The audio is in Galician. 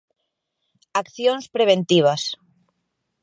Accións preventivas.